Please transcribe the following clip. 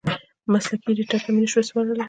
مسلکي ایډېټر ته مې نشوای سپارلی.